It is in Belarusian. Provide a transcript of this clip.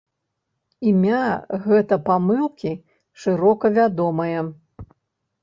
Імя гэта памылкі шырока вядомае.